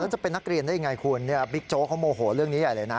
จะเป็นนักเรียนได้ยังไงคุณบิ๊กโจ๊กเขาโมโหเรื่องนี้ใหญ่เลยนะ